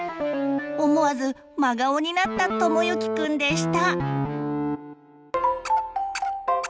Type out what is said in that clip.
思わず真顔になったともゆきくんでした。